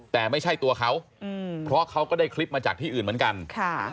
แต่ไม่ใช่ตัวเขาอืมเพราะเขาก็ได้คลิปมาจากที่อื่นเหมือนกันค่ะ